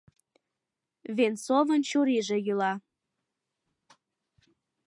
— Венцовын чурийже йӱла.